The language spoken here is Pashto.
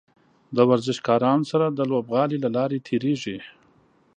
د ورزشکارانو سره د لوبغالي له لارې تیریږي.